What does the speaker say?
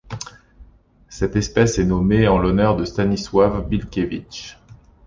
Cette espèce est nommée en l'honneur de Stanisław Bilkiewicz.